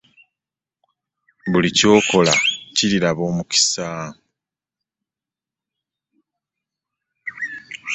Buli ky'okola kiriraba omukisa.